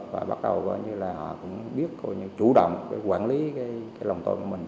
và bắt đầu họ cũng biết chủ động quản lý lòng tôm của mình